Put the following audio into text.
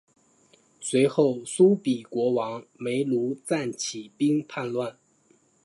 随后苏毗国王没庐赞起兵叛乱。